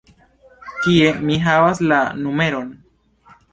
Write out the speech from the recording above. Kie mi havas la numeron?